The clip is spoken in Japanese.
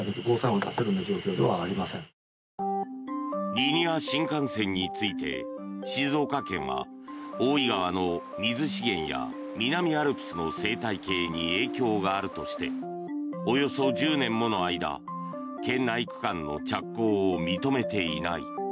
リニア新幹線について静岡県は大井川の水資源や南アルプスの生態系に影響があるとしておよそ１０年もの間県内区間の着工を認めていない。